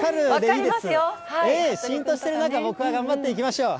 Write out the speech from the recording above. しーんとしてる中、僕は頑張っていきましょう。